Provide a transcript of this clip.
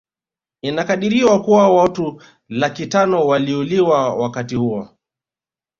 Inakadiriwa kuwa watu laki tano waliuliwa wakati huo